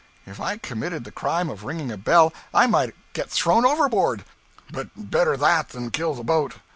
If I committed the crime of ringing a bell, I might get thrown overboard. But better that than kill the boat.